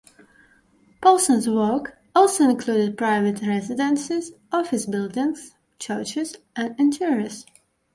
Poulsson's work also included private residences, office buildings, churches and interiors.